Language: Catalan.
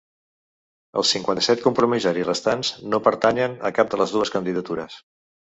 Els cinquanta-set compromissaris restants no pertanyen a cap de les dues candidatures.